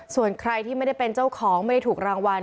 ส่วนใครที่ไม่ได้เป็นเจ้าของไม่ได้ถูกรางวัล